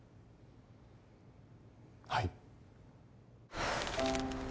はい。